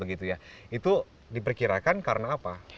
itu diperkirakan karena apa